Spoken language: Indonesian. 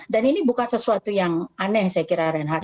dan ini bukan sesuatu yang aneh saya kira renhak